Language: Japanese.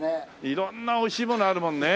色んなおいしいものあるもんね。